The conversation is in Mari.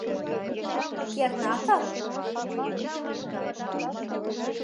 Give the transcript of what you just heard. — Кернакак?